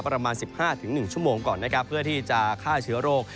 ประมาณ๑๕๑ชั่วโมงก่อนนะครับเพื่อที่จะฆ่าเชื้อโรค